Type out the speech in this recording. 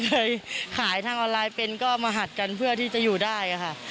เราก็เลยลองแก้ไขปรับตัวดูว่า